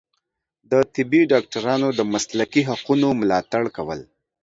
د طبي ډاکټرانو د مسلکي حقونو ملاتړ کول